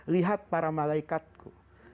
lihat para malaikatku